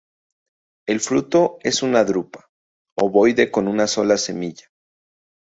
El fruto es una drupa, ovoide con una sola semilla.